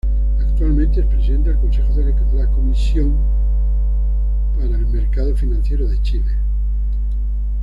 Actualmente es Presidente del Consejo la Comisión para el Mercado Financiero de Chile.